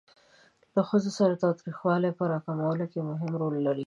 له ښځو سره د تاوتریخوالي په را کمولو کې مهم رول لري.